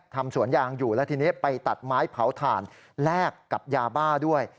สวนยางอยู่แล้วทีนี้ไปตัดไม้เผาถ่านแลกกับยาบ้าด้วย